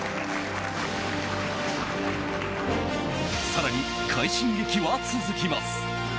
更に快進撃は続きます。